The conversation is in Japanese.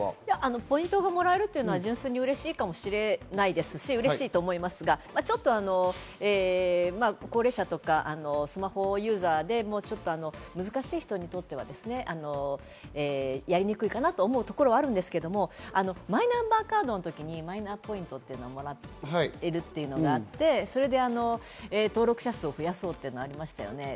ポイントがもらえるというのは純粋に嬉しいかもしれないですし、嬉しいと思いますが、高齢者とかスマホユーザーで、難しい人にとってはやりにくいかなと思うところがあるんですけど、マイナンバーカードの時にマイナポイントというのをもらえるというのがあって、それで登録者数を増やそうというのがありましたね。